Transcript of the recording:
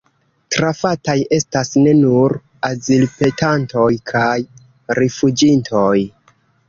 Trafataj estas ne nur azilpetantoj kaj rifuĝintoj.